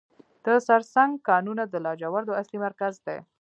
د سرسنګ کانونه د لاجوردو اصلي مرکز دی.